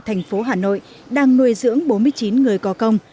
thành phố hà nội đang nuôi dưỡng bốn mươi chín người có công